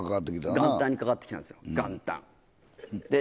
元旦にかかってきたんですよ、元旦。